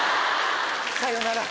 さようなら。